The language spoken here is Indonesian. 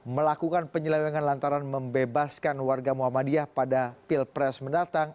melakukan penyelewengan lantaran membebaskan warga muhammadiyah pada pilpres mendatang